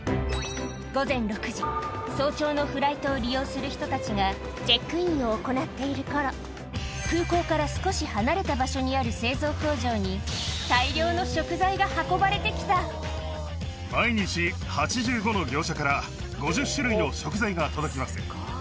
午前６時早朝のフライトを利用する人たちがチェックインを行っている頃空港から少し離れた場所にある製造工場に大量の食材が運ばれて来たが届きます。